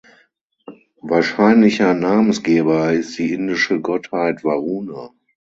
Wahrscheinlicher Namensgeber ist die indische Gottheit Varuna.